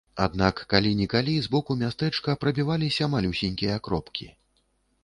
Аднак калі-нікалі з боку мястэчка прабіваліся малюсенькія кропкі.